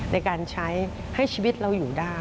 ในการใช้ให้ชีวิตเราอยู่ได้